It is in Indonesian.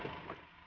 terus terus terus